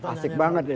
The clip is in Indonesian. asik banget ini